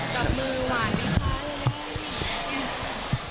จับมือหวานมีคล้าย